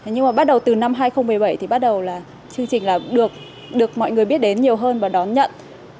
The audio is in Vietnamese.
nhưng mà bắt đầu từ năm hai nghìn một mươi bảy thì bắt đầu là chương trình là được mọi người biết đến nhiều hơn và đón nhận